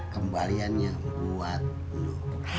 kembaliannya buat lu